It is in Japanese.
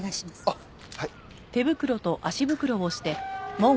あっはい。